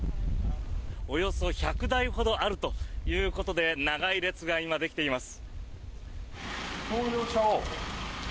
およそ１００台ほどあるということで長い列が、今できています。